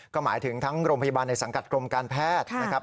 ก็หมายถึงทั้งโรงพยาบาลในสังกัดกรมการแพทย์นะครับ